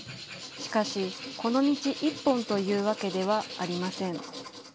しかし、この道一本というわけではありません。